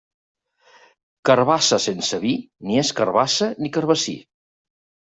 Carabassa sense vi, ni és carabassa ni carabassí.